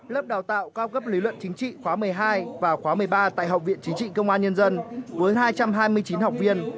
lớp đào tạo cao cấp lý luận chính trị khóa một mươi hai và khóa một mươi ba tại học viện chính trị công an nhân dân với hai trăm hai mươi chín học viên